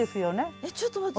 えっちょっと待って。